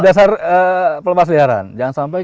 dasar pelepasliaran jangan sampai